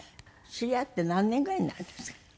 知り合って何年ぐらいになるんですか？